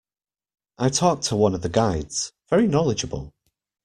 I talked to one of the guides – very knowledgeable.